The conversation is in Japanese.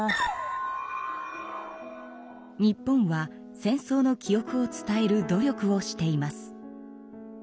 日本は戦争の記憶を伝える努力をしています。